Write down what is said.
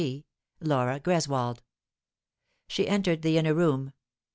Gr., Laura Greswold. She entered the inner room.